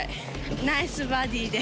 ナイスバディーで。